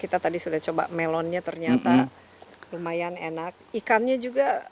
kita tadi sudah coba melonnya ternyata lumayan enak ikannya juga